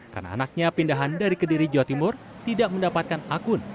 karena anaknya pindahan dari kediri jawa timur tidak mendapatkan akun